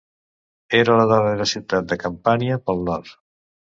Era la darrera ciutat de Campània pel nord.